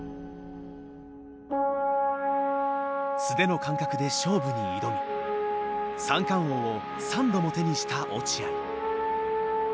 素手の感覚で勝負に挑み三冠王を３度も手にした落合。